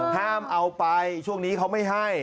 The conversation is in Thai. ห้ามเอาไปช่วงนี้เขาไม่ให้